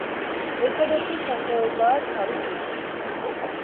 ერთადერთი სახეობაა თავის ოჯახში.